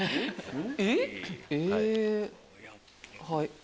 はい！